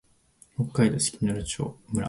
北海道色丹村